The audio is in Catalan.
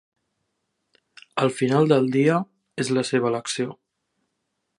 Al final del dia, és la seva elecció.